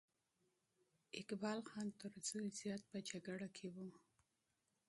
اقبال خان تر زوی زیات په جګړه کې وو.